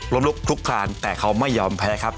ลุกลุกคลานแต่เขาไม่ยอมแพ้ครับ